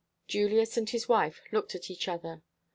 Julius and his wife looked at each other.